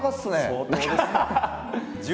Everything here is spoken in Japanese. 相当ですね。